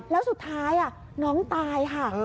แล้วสุดท้ายน้องตายค่ะ